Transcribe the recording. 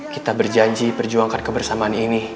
kita berjanji perjuangkan kebersamaan ini